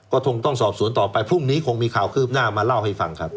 ก็คงต้องสอบสวนต่อไปพรุ่งนี้คงมีข่าวคืบหน้ามาเล่าให้ฟังครับ